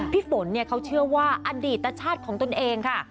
พี่ฝนเขาเชื่อว่าอดีตชาติของตนเองค่ะ